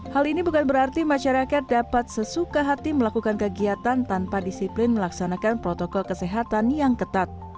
hal ini bukan berarti masyarakat dapat sesuka hati melakukan kegiatan tanpa disiplin melaksanakan protokol kesehatan yang ketat